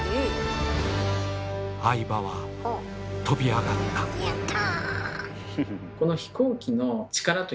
相羽はとび上がったやった。